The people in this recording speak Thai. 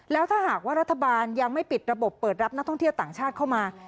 แล้วถ้าหากว่ารัฐบาลยังไม่ปิดระบบเปิดรับนักท่องเที่ยวต่างชาติเข้ามา